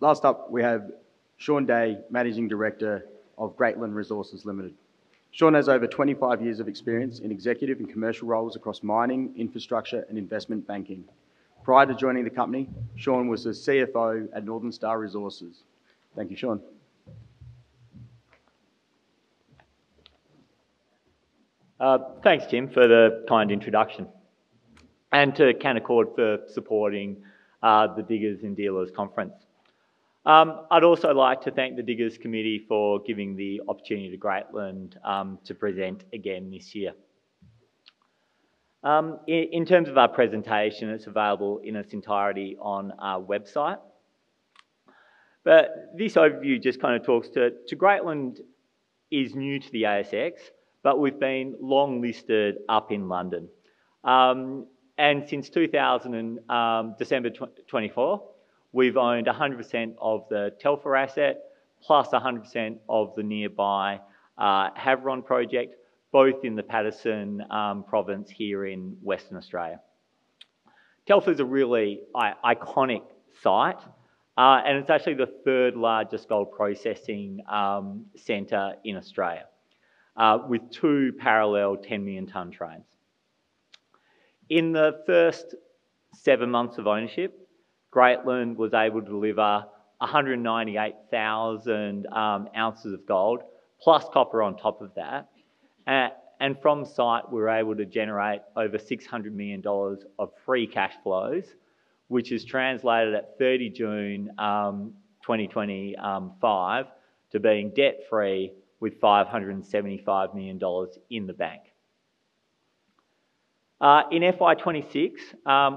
Last up, we have Shaun Day, Managing Director of Greatland Resources Limited. Shaun has over 25 years of experience in executive and commercial roles across mining, infrastructure, and investment banking. Prior to joining the company, Shaun was the CFO at Northern Star Resources. Thank you, Shaun. Thanks, Tim, for the kind introduction. To Canaccord Genuity for supporting the Diggers and Dealers Conference, I'd also like to thank the Diggers Committee for giving the opportunity to Greatland Resources Limited to present again this year. In terms of our presentation, it's available in its entirety on our website. This overview just kind of talks to Greatland is new to the ASX, but we've been long listed up in London. Since December 2024, we've owned 100% of the Telfer asset, plus 100% of the nearby Haveron project, both in the Paterson Province here in Western Australia. Telfer is a really iconic site, and it's actually the third largest gold processing centre in Australia, with two parallel 10 million-ton trains. In the first seven months of ownership, Greatland Resources Limited was able to deliver 198,000 ounces of gold, plus copper on top of that. From the site, we were able to generate over $600 million of free cash flow, which is translated at 30 June 2025 to being debt-free with $575 million in the bank. In FY 2026,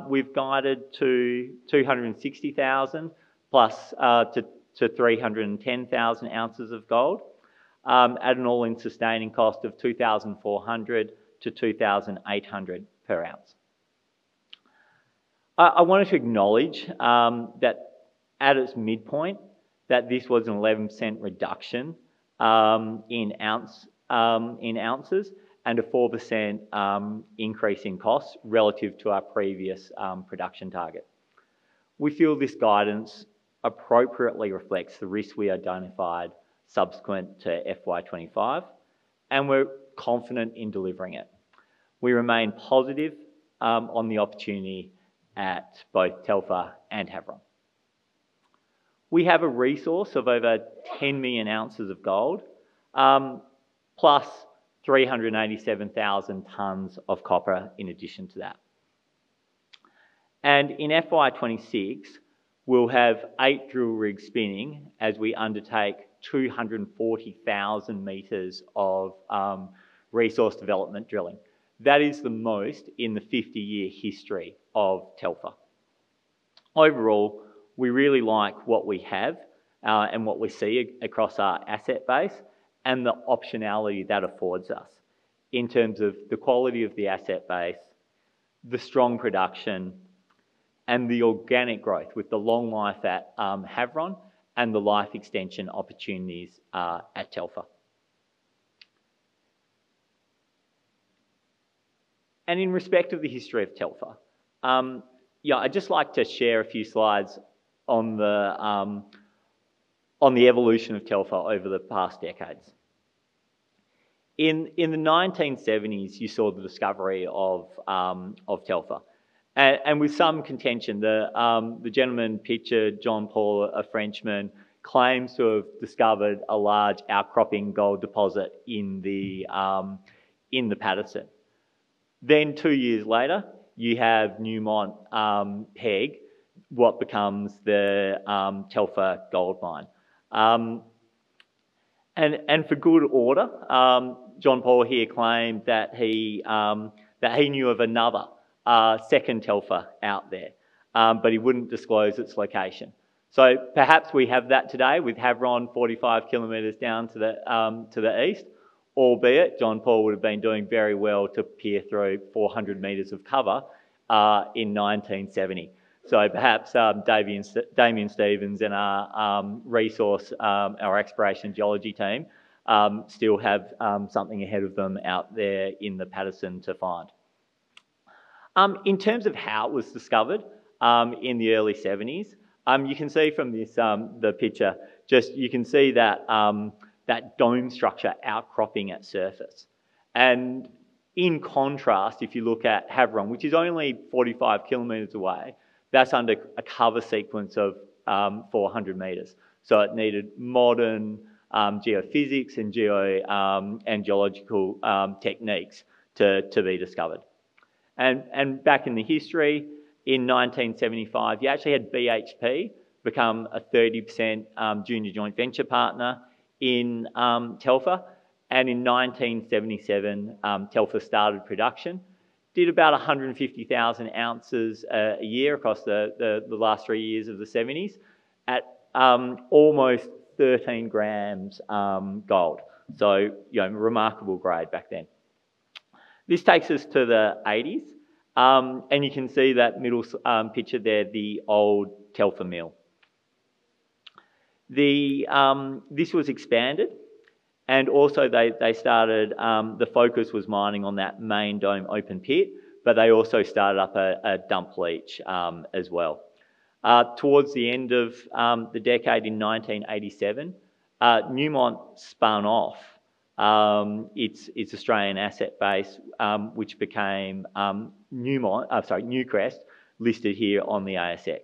we've guided to 260,000+ to 310,000 ounces of gold, at an all-in sustaining cost of $2,400-$2,800 per ounce. I wanted to acknowledge that at its midpoint, this was an 11% reduction in ounces and a 4% increase in costs relative to our previous production target. We feel this guidance appropriately reflects the risks we identified subsequent to FY 2025, and we're confident in delivering it. We remain positive on the opportunity at both Telfer and Haveron. We have a resource of over 10 million ounces of gold, +387,000 tons of copper in addition to that. In FY 2026, we'll have eight drill rigs spinning as we undertake 240,000 m of resource development drilling. That is the most in the 50-year history of Telfer. Overall, we really like what we have and what we see across our asset base and the optionality that affords us in terms of the quality of the asset base, the strong production, and the organic growth with the long life at Haveron and the life extension opportunities at Telfer. In respect of the history of Telfer, I'd just like to share a few slides on the evolution of Telfer over the past decades. In the 1970s, you saw the discovery of Telfer. With some contention, the gentleman pictured, John Paul, a Frenchman, claims to have discovered a large outcropping gold deposit in the Paterson Province. Two years later, you have Newmont Peg, what becomes the Telfer Gold Mine. For good order, John Paul here claimed that he knew of another second Telfer out there, but he wouldn't disclose its location. Perhaps we have that today with Haveron, 45 km down to the east, albeit John Paul would have been doing very well to peer through 400 m of cover in 1970. Perhaps Damien Stevens and our resource, our exploration geology team, still have something ahead of them out there in the Paterson to find. In terms of how it was discovered in the early 1970s, you can see from this picture, you can see that dome structure outcropping at surface. In contrast, if you look at Haveron, which is only 45 km away, that's under a cover sequence of 400 m. It needed modern geophysics and geological techniques to be discovered. Back in the history, in 1975, you actually had BHP become a 30% junior joint venture partner in Telfer. In 1977, Telfer started production, did about 150,000 oz a year across the last three years of the 1970s at almost 13 g gold. Remarkable grade back then. This takes us to the 1980s, and you can see that middle picture there, the old Telfer Mill. This was expanded, and also they started, the focus was mining on that main dome open pit, but they also started up a dump leach as well. Towards the end of the decade in 1987, Newmont spun off its Australian asset base, which became Newcrest listed here on the ASX.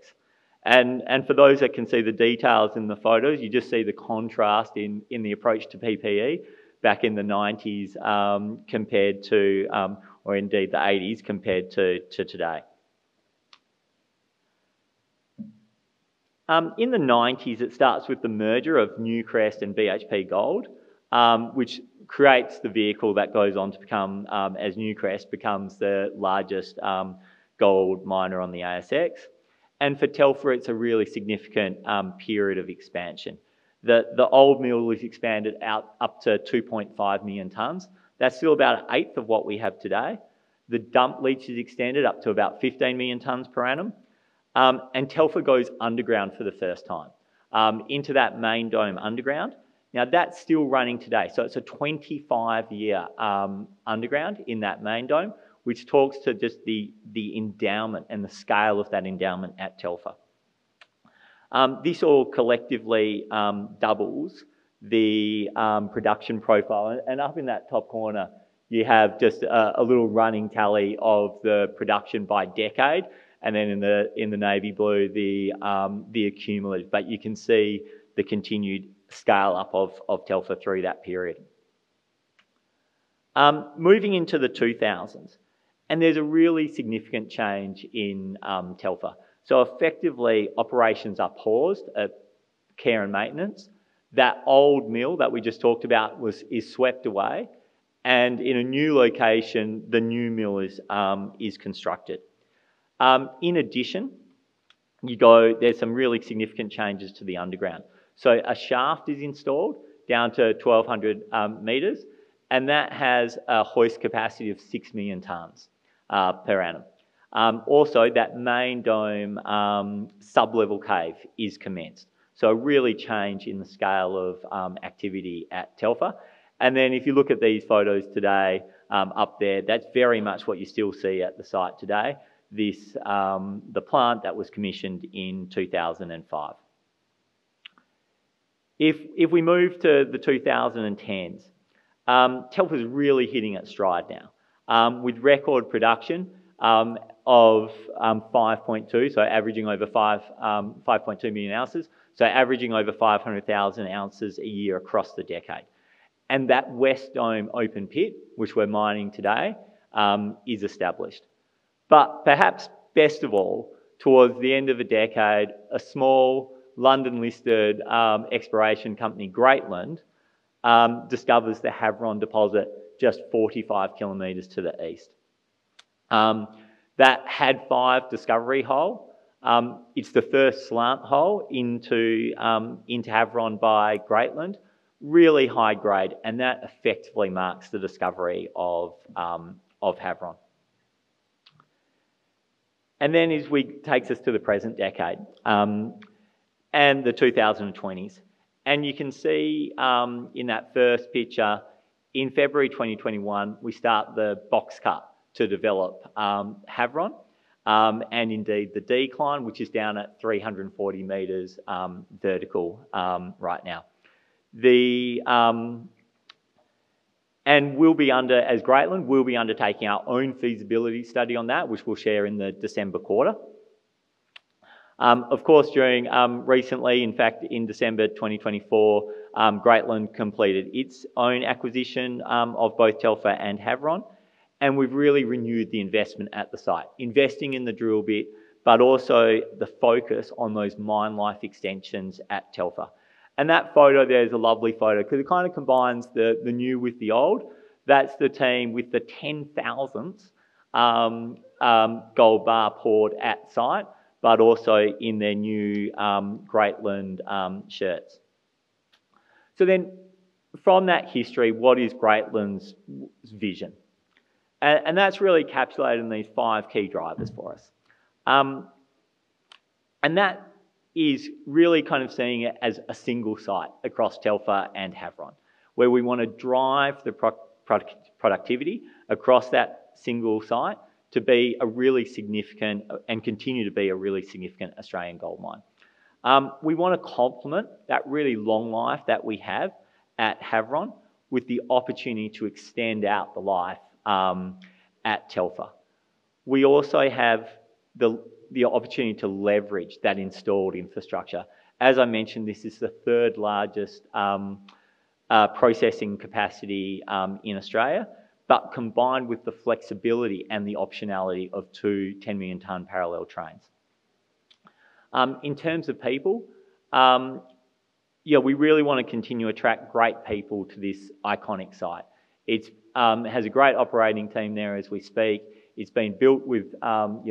For those that can see the details in the photos, you just see the contrast in the approach to PPE back in the 1990s compared to, or indeed the 1980s compared to today. In the 1990s, it starts with the merger of Newcrest and BHP Gold, which creates the vehicle that goes on to become, as Newcrest becomes the largest gold miner on the ASX. For Telfer, it's a really significant period of expansion. The old mill was expanded out up to 2.5 million tons. That's still about an eighth of what we have today. The dump leach is extended up to about 15 million tons per annum. Telfer goes underground for the first time into that main dome underground. Now that's still running today. It's a 25-year underground in that main dome, which talks to just the endowment and the scale of that endowment at Telfer. This all collectively doubles the production profile. Up in that top corner, you have just a little running tally of the production by decade. In the navy blue, the accumulative. You can see the continued scale-up of Telfer through that period. Moving into the 2000s, there's a really significant change in Telfer. Effectively, operations are paused at care and maintenance. That old mill that we just talked about is swept away. In a new location, the new mill is constructed. In addition, there's some really significant changes to the underground. A shaft is installed down to 1,200 m, and that has a hoist capacity of 6 million tons per annum. Also, that main dome sub-level cave is commenced. A real change in the scale of activity at Telfer. If you look at these photos today up there, that's very much what you still see at the site today, the plant that was commissioned in 2005. If we move to the 2010s, Telfer's really hitting its stride now, with record production of 5.2, so averaging over 5.2 million oz, so averaging over 500,000 oz a year across the decade. That west dome open pit, which we're mining today, is established. Perhaps best of all, towards the end of the decade, a small London-listed exploration company, Greatland, discovers the Haveron deposit just 45 km to the east. That HAD-5 discovery hole, it's the first slant hole into Haveron by Greatland, really high grade, and that effectively marks the discovery of Haveron. It takes us to the present decade and the 2020s. You can see in that first picture, in February 2021, we start the box cut to develop Haveron, and indeed the decline, which is down at 340 m vertical right now. As Greatland, we'll be undertaking our own feasibility study on that, which we'll share in the December quarter. During recently, in fact, in December 2024, Greatland completed its own acquisition of both Telfer and Haveron, and we've really renewed the investment at the site, investing in the drill bit, but also the focus on those mine life extensions at Telfer. That photo there is a lovely photo because it kind of combines the new with the old. That's the team with the 10,000 gold bar poured at site, but also in their new Greatland shirts. From that history, what is Greatland's vision? That's really captured in these five key drivers for us. That is really kind of seeing it as a single site across Telfer and Haveron, where we want to drive the productivity across that single site to be a really significant and continue to be a really significant Australian gold mine. We want to complement that really long life that we have at Haveron with the opportunity to extend out the life at Telfer. We also have the opportunity to leverage that installed infrastructure. As I mentioned, this is the third largest processing capacity in Australia, combined with the flexibility and the optionality of two 10 million-ton parallel trains. In terms of people, we really want to continue to attract great people to this iconic site. It has a great operating team there as we speak. It's been built with, you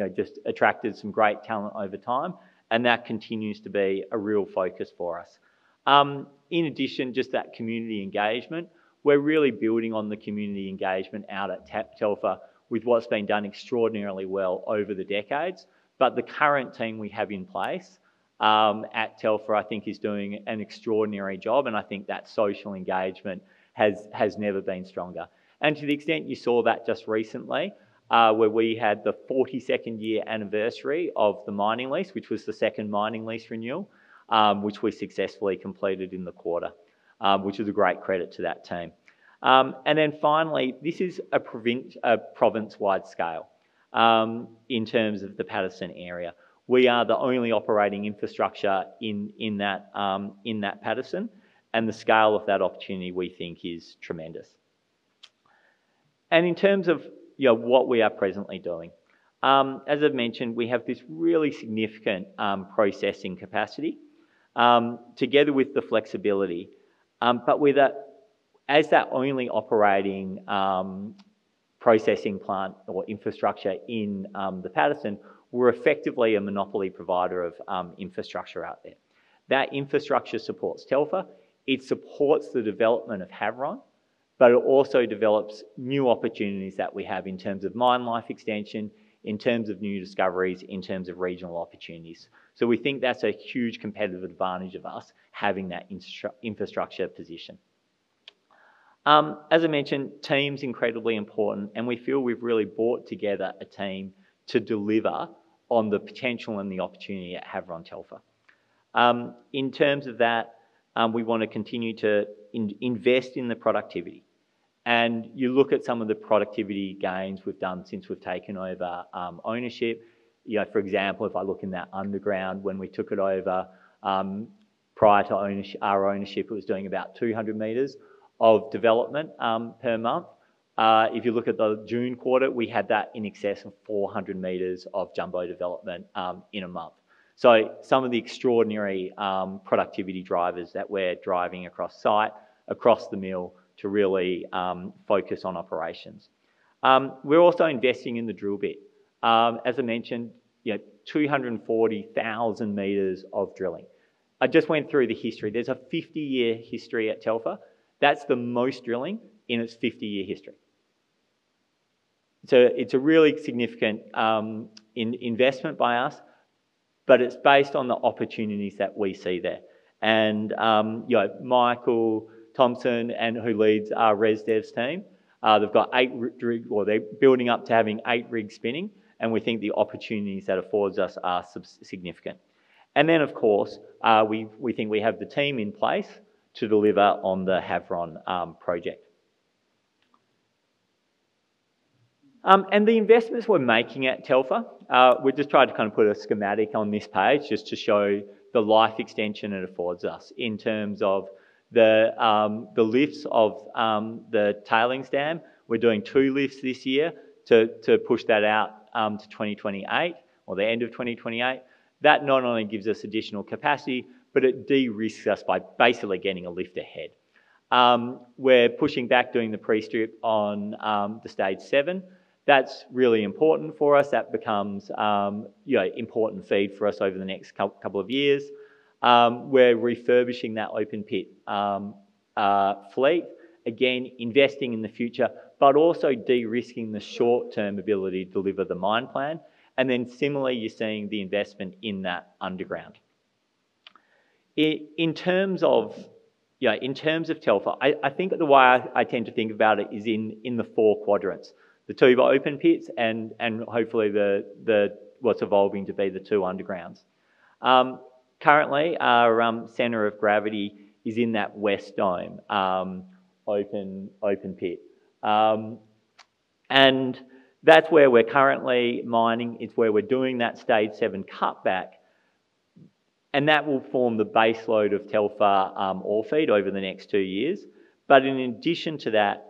know, just attracted some great talent over time, and that continues to be a real focus for us. In addition, just that community engagement, we're really building on the community engagement out at Telfer with what's been done extraordinarily well over the decades. The current team we have in place at Telfer, I think, is doing an extraordinary job, and I think that social engagement has never been stronger. To the extent you saw that just recently, we had the 42nd year anniversary of the mining lease, which was the second mining lease renewal, which was successfully completed in the quarter, which was a great credit to that team. Finally, this is a province-wide scale in terms of the Paterson area. We are the only operating infrastructure in that Paterson, and the scale of that opportunity we think is tremendous. In terms of what we are presently doing, as I've mentioned, we have this really significant processing capacity together with the flexibility. With that, as that only operating processing plant or infrastructure in the Paterson, we're effectively a monopoly provider of infrastructure out there. That infrastructure supports Telfer, it supports the development of Haveron, but it also develops new opportunities that we have in terms of mine life extension, in terms of new discoveries, in terms of regional opportunities. We think that's a huge competitive advantage of us having that infrastructure position. As I mentioned, team's incredibly important, and we feel we've really brought together a team to deliver on the potential and the opportunity at Haveron Telfer. In terms of that, we want to continue to invest in the productivity. You look at some of the productivity gains we've done since we've taken over ownership. For example, if I look in that underground when we took it over, prior to our ownership, it was doing about 200 m of development per month. If you look at the June quarter, we had that in excess of 400 m of jumbo development in a month. Some of the extraordinary productivity drivers that we're driving across site, across the mill, really focus on operations. We're also investing in the drill bit. As I mentioned, 240,000 m of drilling. I just went through the history. There's a 50-year history at Telfer. That's the most drilling in its 50-year history. It's a really significant investment by us, but it's based on the opportunities that we see there. Michael Thompson, who leads our resource development team, they've got eight rigs, or they're building up to having eight rigs spinning, and we think the opportunities that affords us are significant. Of course, we think we have the team in place to deliver on the Haveron project. The investments we're making at Telfer, we've just tried to kind of put a schematic on this page just to show the life extension it affords us in terms of the lifts of the tailings dam. We're doing two lifts this year to push that out to 2028 or the end of 2028. That not only gives us additional capacity, but it de-risks us by basically getting a lift ahead. We're pushing back, doing the pre-strip on the stage seven. That's really important for us. That becomes an important feed for us over the next couple of years. We're refurbishing that open pit fleet, again, investing in the future, but also de-risking the short-term ability to deliver the mine plan. Similarly, you're seeing the investment in that underground. In terms of Telfer, I think the way I tend to think about it is in the four quadrants, the two open pits and hopefully what's evolving to be the two undergrounds. Currently, our center of gravity is in that West Dome open pit. That's where we're currently mining, it's where we're doing that stage seven cutback. That will form the base load of Telfer or feed over the next two years. In addition to that,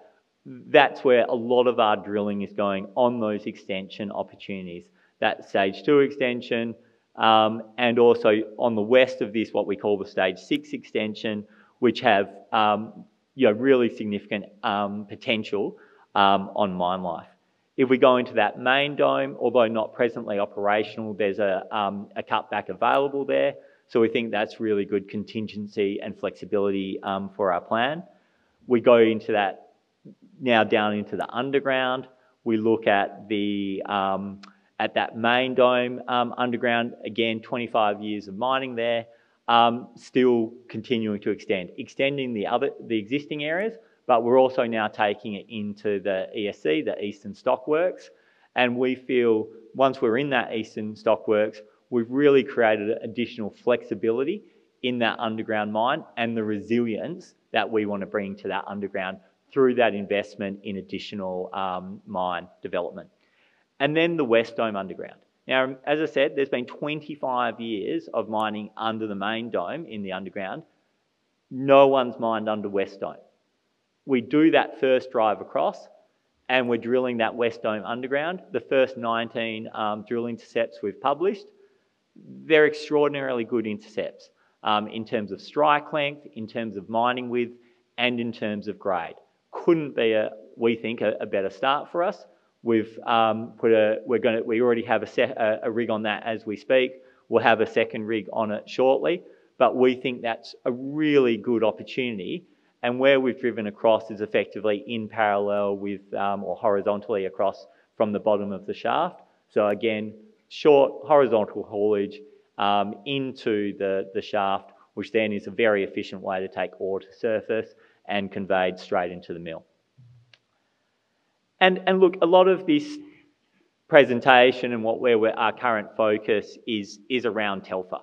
that's where a lot of our drilling is going on those extension opportunities, that stage two extension, and also on the west of this, what we call the stage six extension, which have really significant potential on mine life. If we go into that main dome, although not presently operational, there's a cutback available there. We think that's really good contingency and flexibility for our plan. We go into that now down into the underground. We look at that main dome underground, again, 25 years of mining there, still continuing to extend, extending the existing areas, but we're also now taking it into the ESC, the Eastern Stock Works. We feel once we're in that Eastern Stock Works, we've really created additional flexibility in that underground mine and the resilience that we want to bring to that underground through that investment in additional mine development. The west dome underground, as I said, there's been 25 years of mining under the main dome in the underground. No one's mined under west dome. We do that first drive across, and we're drilling that west dome underground. The first 19 drill intercepts we've published, they're extraordinarily good intercepts in terms of strike length, in terms of mining width, and in terms of grade. Couldn't be, we think, a better start for us. We've put a, we already have a rig on that as we speak. We'll have a second rig on it shortly. We think that's a really good opportunity. Where we've driven across is effectively in parallel with or horizontally across from the bottom of the shaft. Again, short horizontal haulage into the shaft, which then is a very efficient way to take ore to surface and conveyed straight into the mill. A lot of this presentation and where our current focus is around Telfer.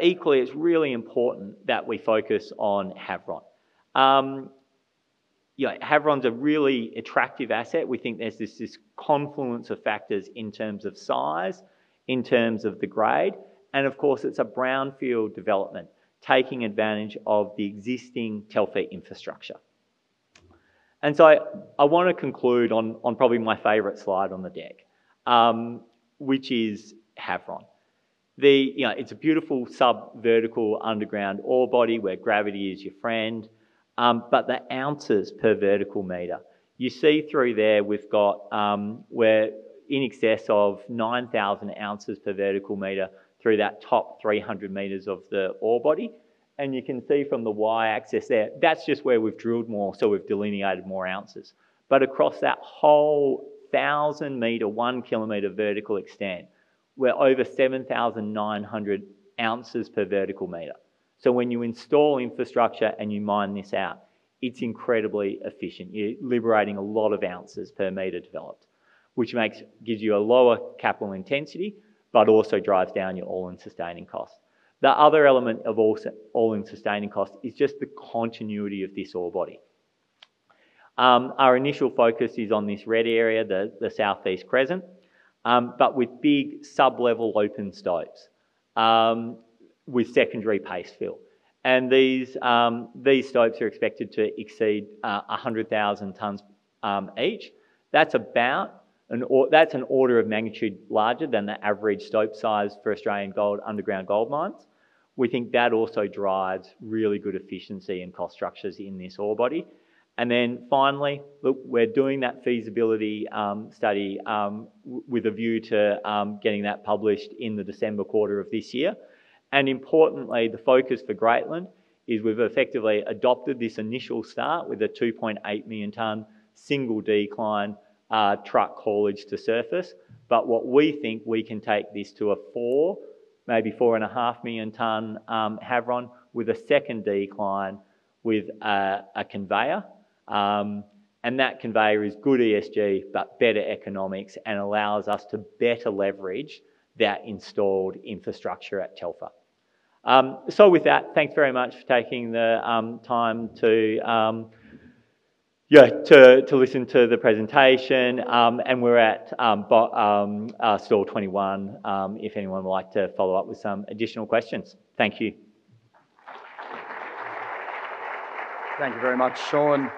Equally, it's really important that we focus on Haveron. Haveron's a really attractive asset. We think there's this confluence of factors in terms of size, in terms of the grade, and of course, it's a brownfield development, taking advantage of the existing Telfer infrastructure. I want to conclude on probably my favourite slide on the deck, which is Haveron. It's a beautiful sub-vertical underground ore body where gravity is your friend. The ounces per vertical metre, you see through there, we're in excess of 9,000 oz per vertical metre through that top 300 m of the ore body. You can see from the Y-axis there, that's just where we've drilled more, so we've delineated more ounces. Across that whole 1,000 m, 1 km vertical extent, we're over 7,900 oz per vertical metre. When you install infrastructure and you mine this out, it's incredibly efficient. You're liberating a lot of ounces per meter developed, which gives you a lower capital intensity and also drives down your all-in sustaining costs. The other element of all-in sustaining costs is just the continuity of this ore body. Our initial focus is on this red area, the southeast crescent, with big sub-level open stopes with secondary pastefill. These stopes are expected to exceed 100,000 tons each. That's about an order of magnitude larger than the average stope size for Australian underground gold mines. We think that also drives really good efficiency and cost structures in this ore body. We're doing that feasibility study with a view to getting that published in the December quarter of this year. Importantly, the focus for Greatland is we've effectively adopted this initial start with a 2.8 million ton single decline truck haulage to surface. We think we can take this to a four, maybe four and a half million ton Haveron with a second decline with a conveyor. That conveyor is good ESG, better economics, and allows us to better leverage that installed infrastructure at Telfer. Thank you very much for taking the time to listen to the presentation. We're at stall 21 if anyone would like to follow up with some additional questions. Thank you. Thank you very much, Shaun.